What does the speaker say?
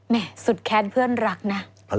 สุดแค้นเพื่อนรักนะ